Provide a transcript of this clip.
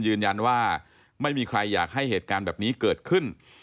ยืนยันว่าไม่มีใครอยากให้เหตุการณ์แบบนี้เกิดขึ้น